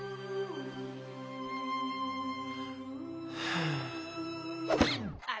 はあ。